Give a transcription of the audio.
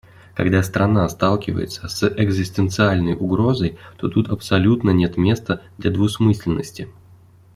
Когда страна сталкивается с экзистенциальной угрозой, то тут абсолютно нет места для двусмысленности.